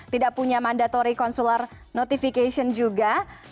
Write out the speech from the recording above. tidak punya mandatory consular notification juga